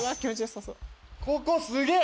ここすげえ。